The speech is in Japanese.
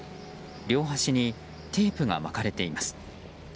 両端にテープが巻かれています。